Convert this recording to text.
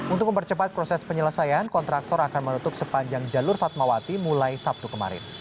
untuk mempercepat proses penyelesaian kontraktor akan menutup sepanjang jalur fatmawati mulai sabtu kemarin